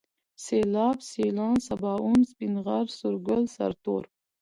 سيلاب ، سيلان ، سباوون ، سپين غر ، سورگل ، سرتور